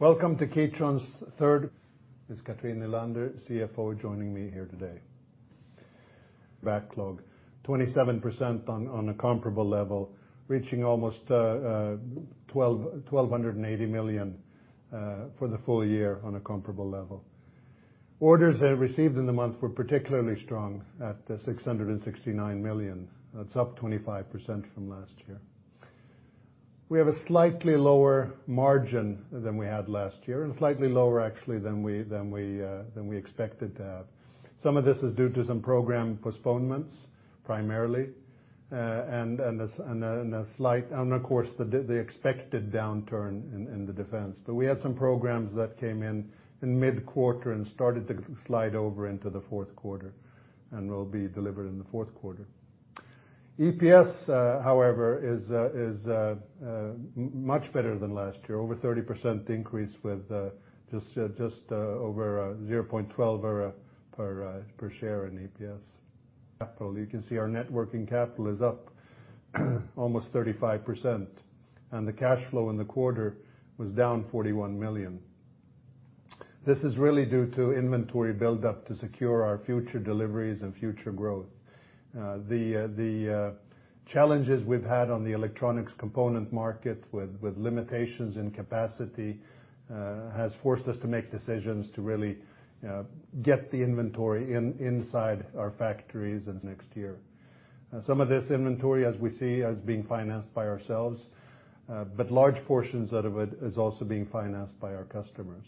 Welcome to Kitron's third. Ms. Cathrine Nylander, CFO, joining me here today. Backlog 27% on a comparable level, reaching almost 1,280 million for the full year on a comparable level. Orders they received in the month were particularly strong at 669 million. That's up 25% from last year. We have a slightly lower margin than we had last year, and slightly lower actually than we expected to have. Some of this is due to some program postponements primarily, and a slight. Of course, the expected downturn in the Defense. We had some programs that came in in mid-quarter and started to slide over into the Q4, and will be delivered in the Q4. EPS, however, is much better than last year. Over 30% increase with just over 0.12 per share in EPS. Capital, you can see our Net Working Capital is up almost 35%, and the cash flow in the quarter was down 41 million. This is really due to inventory build-up to secure our future deliveries and future growth. The challenges we've had on the electronics component market with limitations in capacity has forced us to make decisions to really get the inventory inside our factories as next year. Some of this inventory, as we see, is being financed by ourselves, but large portions out of it is also being financed by our customers.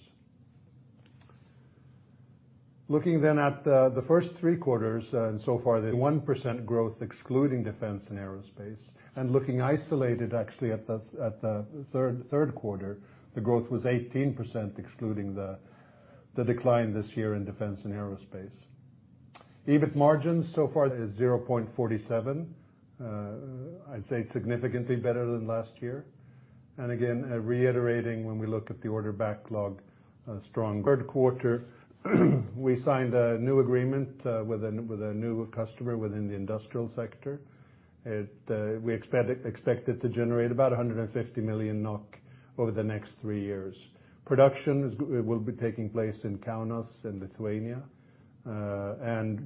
Looking at the first three quarters, so far the 1% growth excluding Defense and Aerospace, and looking isolated actually at the Q3, the growth was 18% excluding the decline this year in Defense and Aerospace. EBIT margins so far is 0.47. I'd say significantly better than last year. Again, reiterating, when we look at the order backlog, strong Q3. We signed a new agreement with a new customer within the industrial sector. We expect it to generate about 150 million NOK over the next 3 years. Production will be taking place in Kaunas in Lithuania,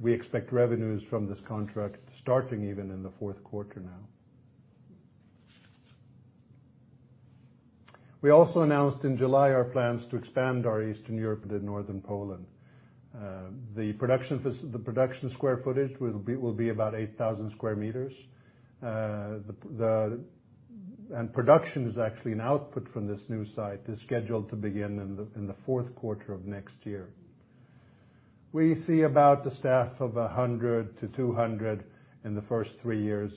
we expect revenues from this contract starting even in the Q4 now. We also announced in July our plans to expand our Eastern Europe to northern Poland. The production square footage will be about 8,000 square meters. Production is actually an output from this new site is scheduled to begin in the Q4 of next year. We see about a staff of 100-200 in the first three years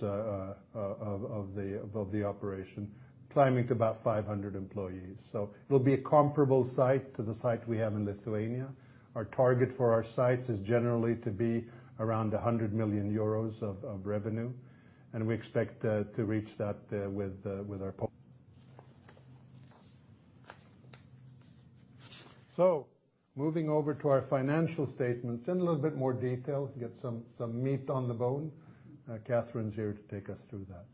of the operation, climbing to about 500 employees. So it'll be a comparable site to the site we have in Lithuania. Our target for our sites is generally to be around 100 million euros of revenue, and we expect to reach that with our Poland. Moving over to our financial statements in a little bit more detail, get some meat on the bone. Cathrine's here to take us through that.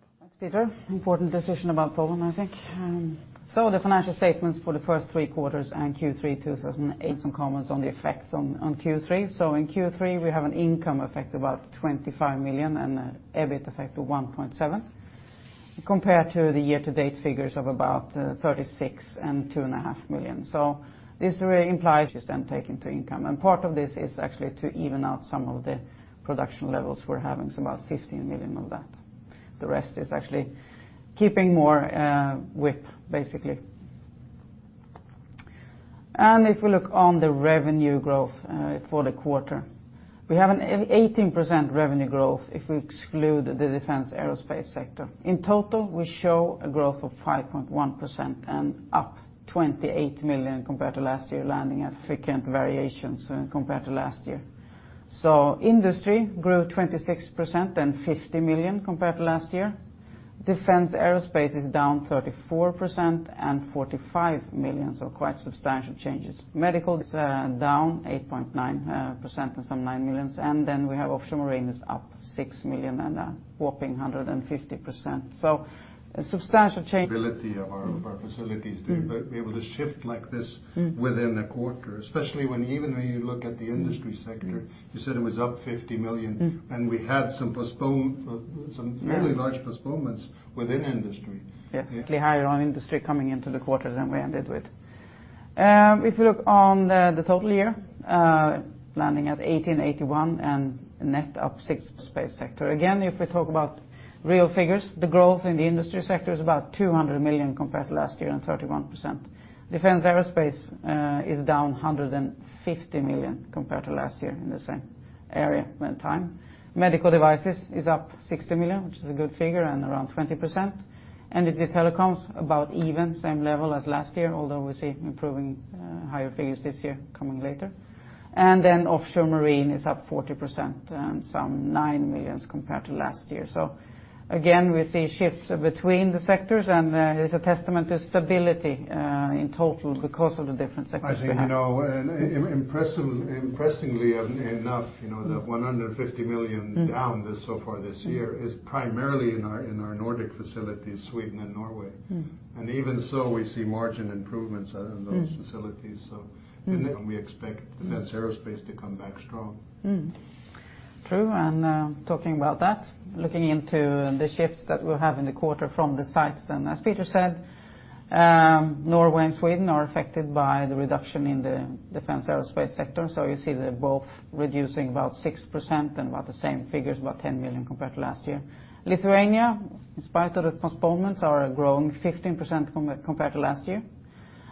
Thanks, Peter. Important decision about Poland. The financial statements for the first three quarters and Q3 2008, some comments on the effects on Q3. In Q3, we have an income effect about 25 million and a EBIT effect of 1.7 million, compared to the year-to-date figures of about 36 million and 2.5 million. This really implies just then taking to income. Part of this is actually to even out some of the production levels we're having, so about 15 million of that. The rest is actually keeping more WIP, basically. If we look on the revenue growth for the quarter, we have an 18% revenue growth if we exclude the Defense and Aerospace sector. In total, we show a growth of 5.1% and up 28 million compared to last year, landing at frequent variations, compared to last year. Industry grew 26% and 50 million compared to last year. Defense Aerospace is down 34% and 45 million, quite substantial changes. Medical is down 8.9% and some 9 million. Offshore Marine is up 6 million and a whopping 150%. A substantial change. Ability of our facilities to be able to shift like this within a quarter, especially when even when you look at the industry sector, you said it was up 50 million, and we had some postponements, some really large postponements within industry. Yes. Actually higher on industry coming into the quarter than we ended with. If you look on the total year, landing at 1,881 and net up 6 space sector. Again, if we talk about real figures, the growth in the industry sector is about 200 million compared to last year and 31%. Defense aerospace is down 150 million compared to last year in the same area and time. Medical Devices is up 60 million, which is a good figure, and around 20%. Energy and Telecoms about even, same level as last year, although we see improving higher figures this year coming later. Offshore Marine is up 40% and some 9 million compared to last year. Again, we see shifts between the sectors, and, it's a testament to stability, in total because of the different sectors we have. As impressively enough, the 150 million down this, so far this year is primarily in our Nordic facilities, Sweden and Norway. Mm. Even so, we see margin improvements out of those facilities. Mm. We expect Defense Aerospace to come back strong. True, talking about that, looking into the shifts that we have in the quarter from the sites then, as Peter said, Norway and Sweden are affected by the reduction in the Defense and Aerospace sector. You see they're both reducing about 6% and about the same figures, about 10 million compared to last year. Lithuania, in spite of the postponements, are growing 15% compared to last year.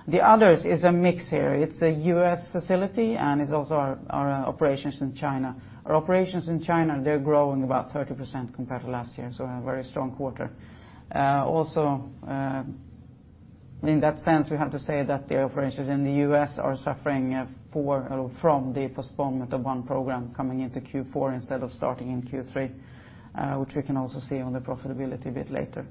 The others is a mix here. It's a U.S. facility, and it's also our operations in China. Our operations in China, they're growing about 30% compared to last year, a very strong quarter. Also, in that sense, we have to say that the operations in the U.S. are suffering from the postponement of one program coming into Q4 instead of starting in Q3, which we can also see on the profitability a bit later,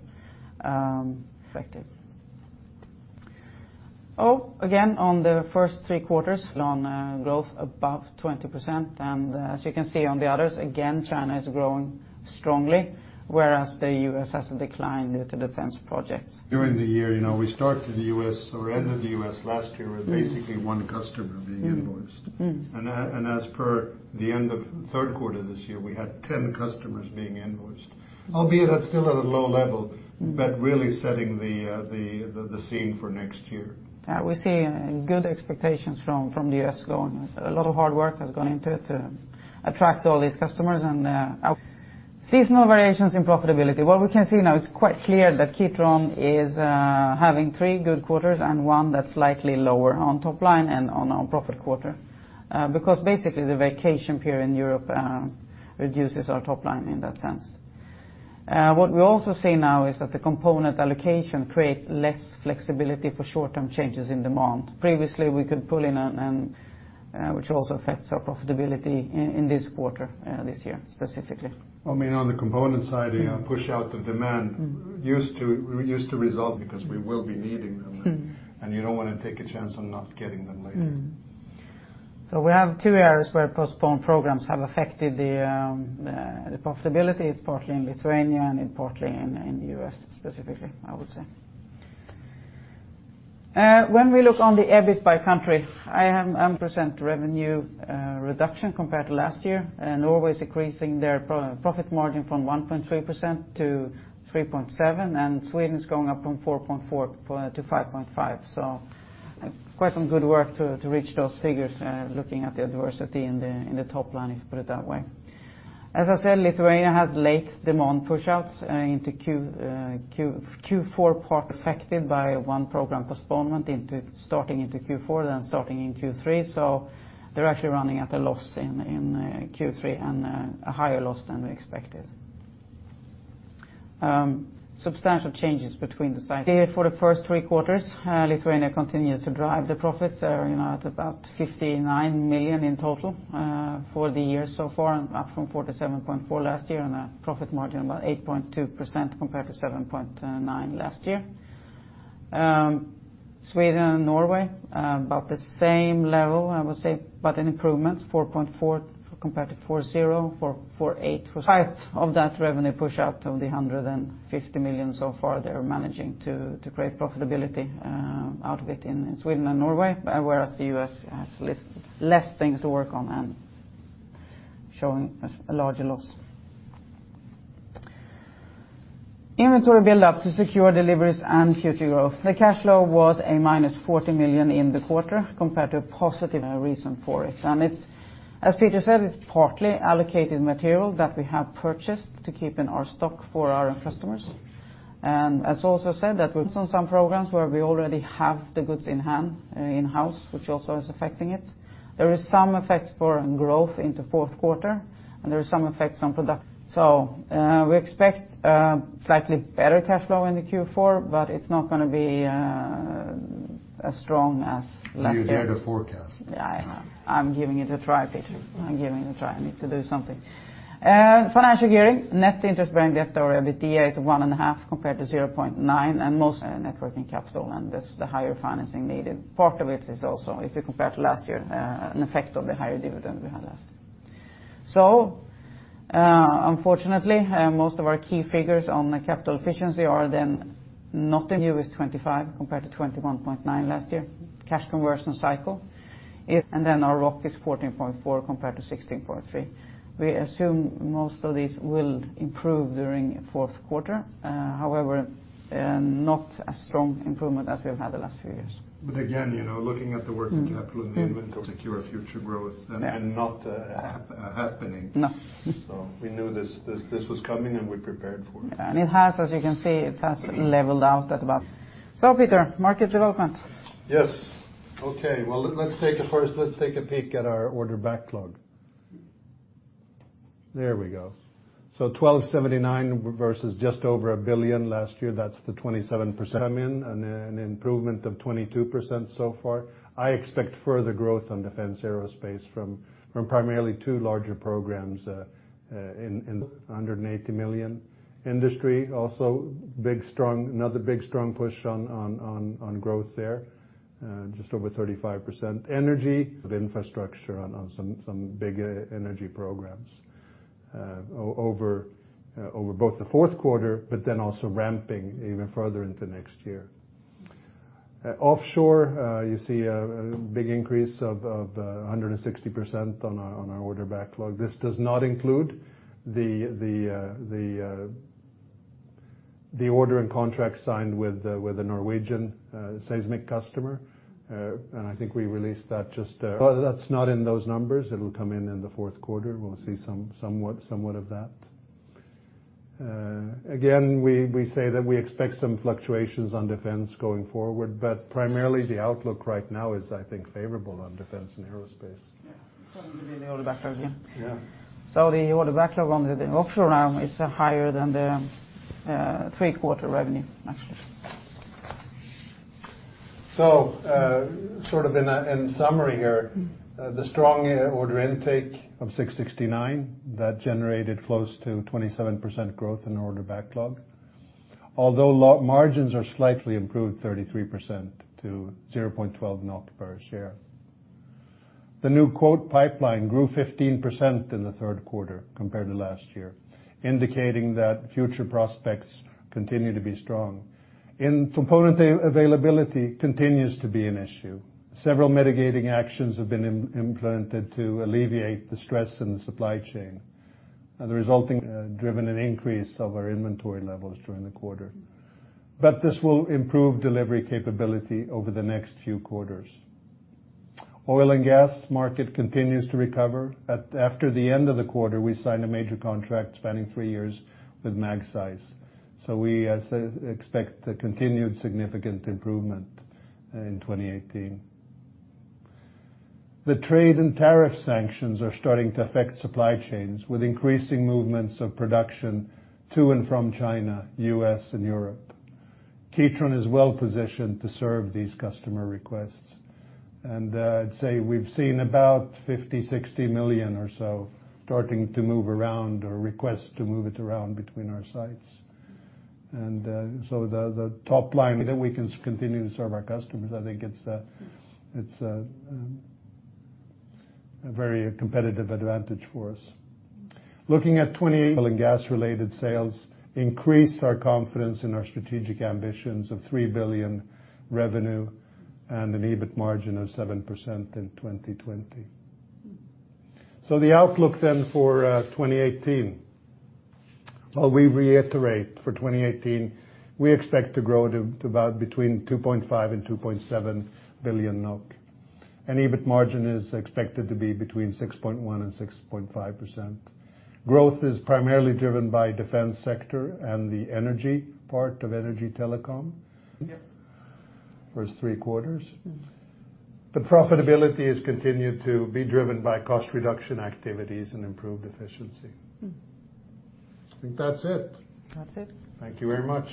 effective. Again, on the first three quarters, loan, growth above 20%. As you can see on the others, again, China is growing strongly, whereas the U.S. has declined due to Defense projects. During the year, you know, we started the U.S. or ended the U.S. last year with basically one customer being invoiced. Mm. Mm. As per the end of Q3 this year, we had 10 customers being invoiced, albeit that's still at a low level. Mm. Really setting the scene for next year. We're seeing good expectations from the U.S. going. A lot of hard work has gone into it to attract all these customers. Seasonal variations in profitability. What we can see now, it's quite clear that Kitron is having three good quarters and one that's slightly lower on top line and on our profit quarter, because basically the vacation period in Europe reduces our top line in that sense. What we also see now is that the component allocation creates less flexibility for short-term changes in demand. Previously, we could pull in, which also affects our profitability in this quarter, this year specifically. I mean, on the component side, yeah, push out the demand... Mm. We used to resolve because we will be needing them. Mm. You don't wanna take a chance on not getting them later. We have two areas where postponed programs have affected the profitability. It's partly in Lithuania and partly in the US specifically, I would say. When we look on the EBIT by country, I have am present revenue reduction compared to last year, and Norway's increasing their profit margin from 1.3% to 3.7%, and Sweden is going up from 4.4% to 5.5%. Quite some good work to reach those figures, looking at the adversity in the top line, if you put it that way. As I said, Lithuania has late demand pushouts into Q4 part affected by one program postponement into starting into Q4 than starting in Q3. They're actually running at a loss in Q3 and a higher loss than we expected. Substantial changes between the site. Here for the first three quarters, Lithuania continues to drive the profits. They're, at about 59 million in total for the year so far and up from 47.4 million last year on a profit margin of about 8.2% compared to 7.9% last year. Sweden and Norway, about the same level, I would say, but an improvement, 4.4% compared to 4.0% for 4.8%. In spite of that revenue pushout of 150 million so far, they are managing to create profitability out of it in Sweden and Norway, whereas the U.S. has less things to work on and showing us a larger loss. Inventory build-up to secure deliveries and future growth. The cash flow was a minus 40 million in the quarter compared to a positive reason for it. It's, as Peter said, it's partly allocated material that we have purchased to keep in our stock for our customers. As also said that we're on some programs where we already have the goods in hand, in-house, which also is affecting it. There is some effects for growth into Q4, there is some effects on product. We expect a slightly better cash flow into Q4, but it's not gonna be as strong as last year. Do you dare to forecast? I'm giving it a try, Peter. I'm giving it a try. I need to do something. Financial gearing. Net Interest-Bearing Debt or EBITDA is 1.5 compared to 0.9. Most Net Working Capital, this is the higher financing needed. Part of it is also, if you compare to last year, an effect of the higher dividend we had last. Unfortunately, most of our key figures on the capital efficiency are then not. The new is 25% compared to 21.9% last year. Cash Conversion Cycle is... Our ROC is 14.4% compared to 16.3%. We assume most of these will improve during Q4. Not as strong improvement as we have had the last few years. Again, looking at the working capital... Mm. The inventory to secure future growth. Yeah. Not happening. No. We knew this was coming. We prepared for it. It has, as you can see, it has leveled out at about. Peter, market development. Yes. Okay. Well, let's take a first peek at our order backlog. There we go. 1,279 versus just over 1 billion last year. That's the 27% come in and an improvement of 22% so far. I expect further growth on Defense and Aerospace from primarily two larger programs in under a 80 million industry. Big, strong, another big strong push on growth there, just over 35%. Energy of infrastructure on some big e-energy programs over both the Q4 but then also ramping even further into next year. Offshore, you see a big increase of 160% on our order backlog. This does not include the order and contract signed with the Norwegian seismic customer. I think we released that just. That's not in those numbers. It'll come in in the Q4. We'll see somewhat of that. Again, we say that we expect some fluctuations on Defense going forward. Primarily, the outlook right now is, I think, favorable on Defense and Aerospace. Yeah. It's only going to be the order backlog, yeah. Yeah. The order backlog on the Offshore now is higher than the three quarter revenue, actually. Sort of in summary here. Mm-hmm The strong order intake of 669, that generated close to 27% growth in order backlog. Although margins are slightly improved 33% to 0.12 per share. The new quote pipeline grew 15% in the Q3 compared to last year, indicating that future prospects continue to be strong. In component availability continues to be an issue. Several mitigating actions have been implemented to alleviate the stress in the supply chain, and the resulting driven an increase of our inventory levels during the quarter. This will improve delivery capability over the next few quarters. Oil and gas market continues to recover. After the end of the quarter, we signed a major contract spanning three years with MagSeis. We, as said, expect a continued significant improvement in 2018. The trade and tariff sanctions are starting to affect supply chains, with increasing movements of production to and from China, U.S. and Europe. Kitron is well-positioned to serve these customer requests. I'd say we've seen about 50 million-60 million or so starting to move around or request to move it around between our sites. The top line, we can continue to serve our customers. I think it's a very competitive advantage for us. Looking at 20 oil and gas-related sales increased our confidence in our strategic ambitions of 3 billion revenue and an EBIT margin of 7% in 2020. Mm-hmm. The outlook then for 2018. We reiterate for 2018, we expect to grow to about between 2.5 billion and 2.7 billion NOK. EBIT margin is expected to be between 6.1% and 6.5%. Growth is primarily driven by Defense sector and the Energy part of Energy Telecoms. Yep. First three quarters. Mm-hmm. The profitability has continued to be driven by cost reduction activities and improved efficiency. Mm-hmm. I think that's it. That's it. Thank you very much.